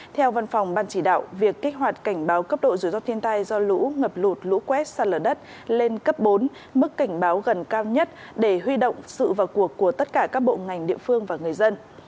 theo văn phòng ban chỉ đạo việc kích hoạt cảnh báo cấp độ rủi ro thiên tai do lũ ngập lụt lũ quét sạt lở đất lên cấp bốn mức cảnh báo gần cao nhất để huy động sự vào cuộc của tất cả các bộ ngành địa phương và người dân